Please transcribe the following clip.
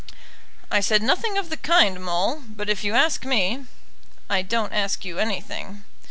"I said nothing of the kind, Maule; but if you ask me " "I don't ask you anything."